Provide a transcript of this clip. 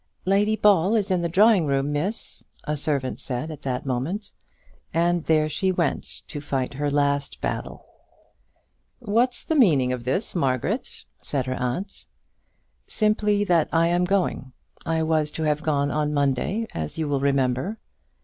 "Lady Ball is in the drawing room, Miss," a servant said at that moment, and there she went to fight her last battle! "What's the meaning of this, Margaret?" said her aunt. "Simply that I am going. I was to have gone on Monday, as you will remember."